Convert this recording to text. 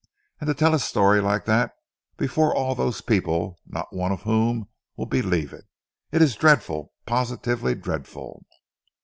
And to tell a story like that before all those people not one of whom will believe it! It is dreadful, positively dreadful!